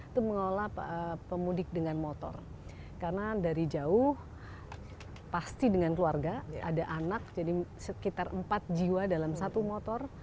terima kasih dengan motor karena dari jauh pasti dengan keluarga ada anak jadi sekitar empat jiwa dalam satu motor